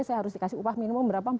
saya harus dikasih upah minimum berapa